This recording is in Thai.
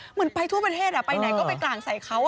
เหมือนไปทั่วประเทศไปไหนก็ไปกลางใส่เขา